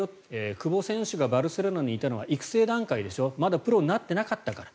久保選手がバルセロナにいたのは育成段階でしょまだプロにはなっていなかったから。